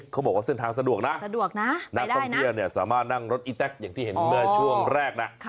เขาบอกว่าเส้นทางสะดวกนะสะดวกนะนักท่องเที่ยวเนี่ยสามารถนั่งรถอีแต๊กอย่างที่เห็นเมื่อช่วงแรกนะ